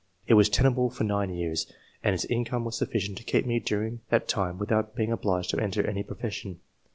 it was tenable for nine years, and its income was sufficient to keep me during that time without being obliged to enter any pro fession.